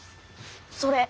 それ。